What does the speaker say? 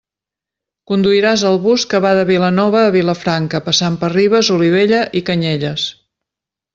Conduiràs el bus que va de Vilanova a Vilafranca passant per Ribes, Olivella i Canyelles.